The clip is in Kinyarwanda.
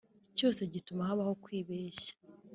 Cyose gituma habaho kwibeshya